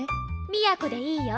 都でいいよ。